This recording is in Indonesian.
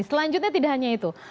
selanjutnya tidak hanya itu